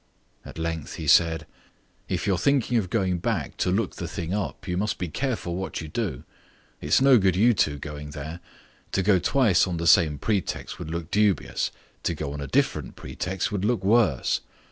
At length he said: "If you're thinking of going back to look the thing up, you must be careful what you do. It's no good you two going there. To go twice on the same pretext would look dubious. To go on a different pretext would look worse.